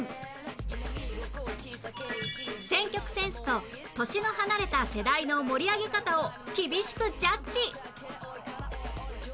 選曲センスと年の離れた世代の盛り上げ方を厳しくジャッジ！